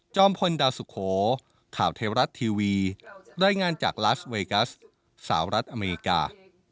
พลดาวสุโขข่าวเทวรัฐทีวีรายงานจากลาสเวกัสสาวรัฐอเมริกา